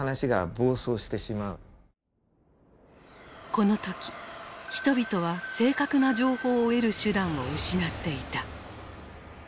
この時人々は正確な情報を得る手段を失っていた。